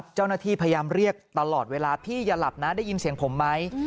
เจ้าหน้าที่พยายามเรียกตลอดเวลาพี่อย่าหลับนะได้ยินเสียงผมไหม